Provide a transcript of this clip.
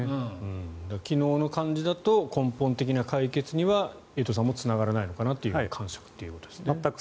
昨日の感じだと根本的な解決にはエイトさんもつながらないのかなという感触だったと。